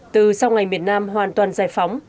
từ sau ngày miền nam hoàn toàn giải phóng